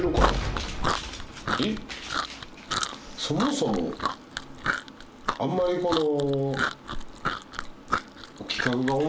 そもそもあんまりこの。